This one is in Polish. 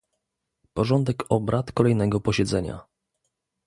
Porządek obrad kolejnego posiedzenia